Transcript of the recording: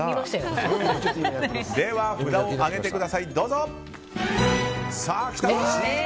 では札を上げてください。